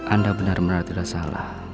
anda benar benar tidak salah